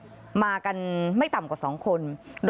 รุมทำร้ายผู้ตายในขณะผู้ตายร้องขอชีวิตนี่นะคะ